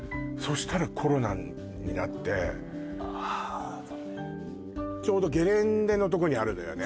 したらコロナになってああちょうどゲレンデのとこにあるのよね